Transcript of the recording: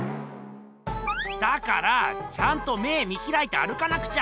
だからあちゃんと目見ひらいて歩かなくちゃ！